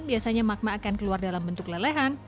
biasanya magma akan keluar dalam bentuk lelehan